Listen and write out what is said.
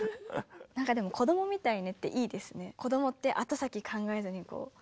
なんかでも「子どもみたいね」っていいですね。